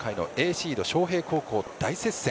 シード昌平高校と大接戦。